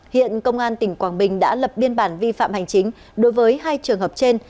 hiện công an tỉnh quảng bình đã lập biên bản vi phạm hành chính đối với hai trường hợp trên